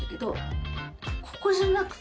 ここじゃなくて。